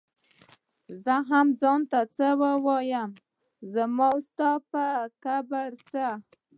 زۀ هم ځان ته څۀ وايم زما ستا پۀ کبر څۀ